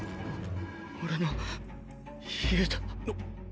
俺の家だ。な！